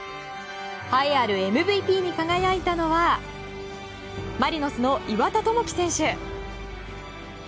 栄えあるＭＶＰに輝いたのはマリノスの岩田智輝選手。